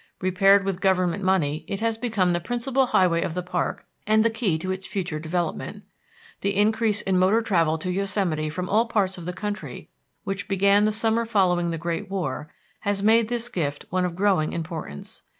Repaired with government money it has become the principal highway of the park and the key to its future development. The increase in motor travel to the Yosemite from all parts of the country which began the summer following the Great War, has made this gift one of growing importance.